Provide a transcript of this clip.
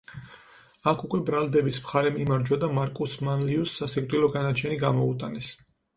აქ უკვე ბრალდების მხარემ იმარჯვა და მარკუს მანლიუს სასიკვდილო განაჩენი გამოუტანეს.